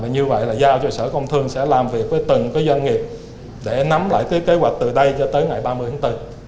như vậy giao cho sở công thương sẽ làm việc với từng doanh nghiệp để nắm lại kế hoạch từ đây tới ngày ba mươi tháng bốn